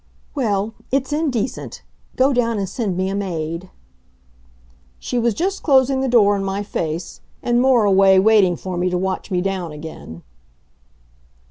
"Well it's indecent. Go down and send me a maid." She was just closing the door in my face and Moriway waiting for me to watch me down again.